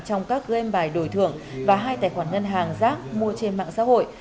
trong các game bài đổi thưởng và hai tài khoản ngân hàng rác mua trên mạng xã hội